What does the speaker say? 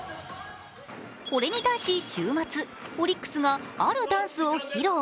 これに対し週末オリックスがあるダンスを披露。